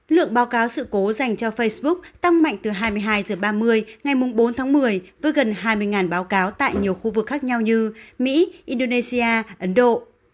lượng báo cáo sự cố dành cho facebook tăng mạnh từ hai mươi hai h ba mươi ngày bốn tháng một mươi với gần hai mươi báo cáo tại nhiều khu vực khác nhau như mỹ indonesia ấn độ